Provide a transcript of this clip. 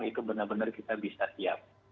itu benar benar kita bisa siap